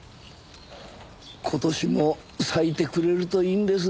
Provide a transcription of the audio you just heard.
今年も咲いてくれるといいんですがな。